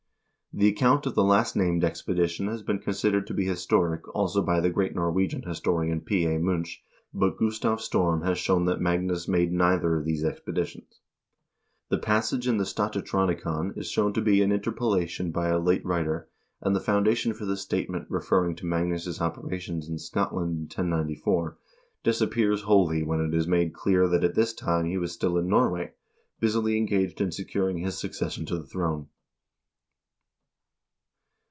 The account of the last named expedition has been considered to be historic also by the great Norwegian historian P. A. Munch, but Gustav Storm has shown that Magnus made neither of these expeditions. The passage in the "Scotichronicon" is shown to be an interpolation by a late writer, and the foundation for the statement referring to Magnus' operations in Scotland in 1094 disappears wholly when it is made clear that at this time he was still in Norway, busily engaged in se curing his succession to the throne.